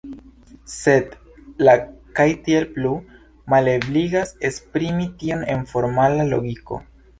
Sed la "ktp" malebligas esprimi tion en formala logiko.